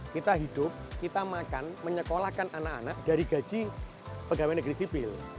kita hidup kita makan menyekolahkan anak anak dari gaji pegawai negeri sipil